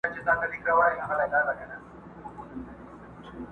زه به د غم تخم کرم ژوندی به یمه٫